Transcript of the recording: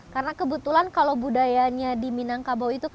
karena kebetulan kalau budayanya di minangkabau itu kan